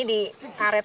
ini di karet